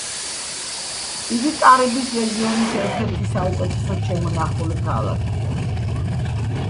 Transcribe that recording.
იგი კარიბის რეგიონის ერთ-ერთი საუკეთესოდ შემონახული ქალაქია.